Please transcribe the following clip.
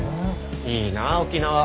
いいなぁ沖縄。